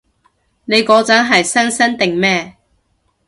你嗰陣係新生定咩？